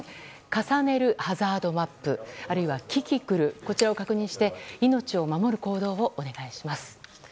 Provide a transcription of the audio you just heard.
重ねるハザードマップあるいはキキクルこちらを確認して命を守る行動をお願いします。